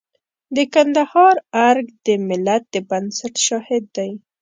د کندهار ارګ د ملت د بنسټ شاهد دی.